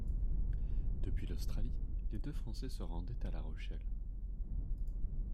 Depuis l'Australie, les deux Français se rendaient à La Rochelle.